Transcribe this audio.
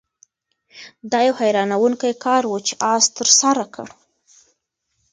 دا یو حیرانوونکی کار و چې آس ترسره کړ.